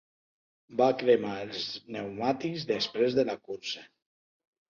Va cremar els pneumàtics després de la cursa.